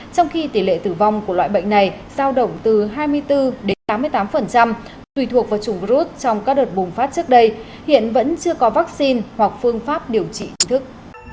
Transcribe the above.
trong khi tỷ lệ tử vong của loại bệnh này sao động từ hai mươi bốn đến tám mươi tám tùy thuộc vào chủng virus trong các đợt bùng phát trước đây hiện vẫn chưa có vaccine hoặc phương pháp điều trị hình thức